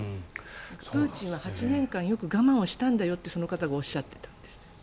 プーチンは８年間よく我慢をしたんだよってその方がおっしゃっていたんですね。